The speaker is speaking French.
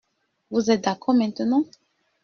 Vous êtes d’accord maintenant ?